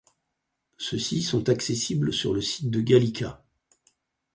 Ceux-ci sont accessibles sur le site de Gallica.